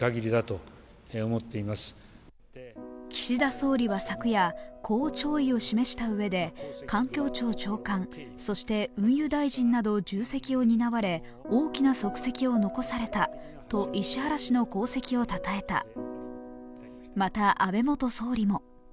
岸田総理は昨夜、こう弔意を示したうえで環境庁長官、そして運輸大臣など重責を担われ大きな足跡を残されたと石原氏の功績をたたえた。